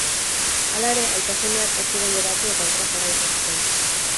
Hala ere, aita-semeak ez ziren geratu eta aurrera jarraitu zuten.